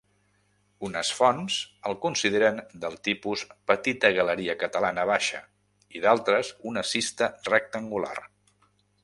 Unes fonts el consideren del tipus petita galeria catalana baixa i d'altres una cista rectangular.